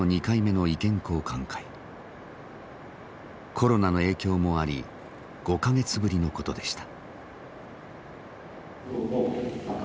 コロナの影響もあり５か月ぶりのことでした。